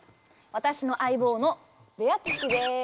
私の相棒のベアツシです。